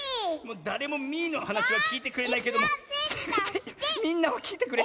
だれもミーのはなしはきいてくれないけどせめてみんなはきいてくれ。